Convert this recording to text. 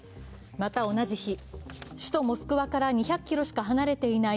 また同じ日、首都モスクワから２００ｋｍしか離れていない